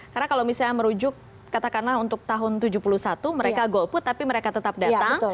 karena kalau misalnya merujuk katakanlah untuk tahun seribu sembilan ratus tujuh puluh satu mereka golput tapi mereka tetap datang